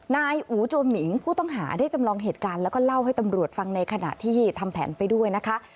นายอูโจมิงผู้ต้องหาได้จำลองเหตุการณ์แล้วก็เล่าให้ตำรวจฟังในขณะที่ทำแผนไปด้วยนะคะ